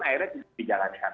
akhirnya tidak bisa dijalankan